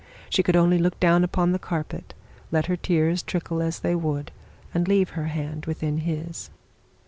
She could only look down upon the carpet, let her tears trickle as they would, and leave her hand within his.